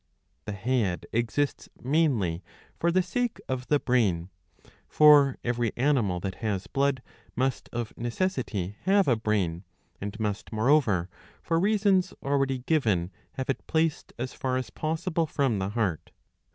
^ The head exists mainly for the sake of the brain. For every animal that has blood must of necessity have a brain ; and must, moreover, for reasons already given, have it placed as far as possible from the heart.